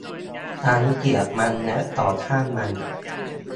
ฉันเกลียดมันและต่อต้านมัน